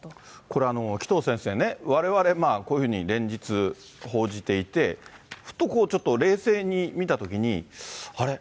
これ、紀藤先生ね、われわれまあ、こういうふうに連日報じていて、ふとこう、冷静に見たときに、あれ？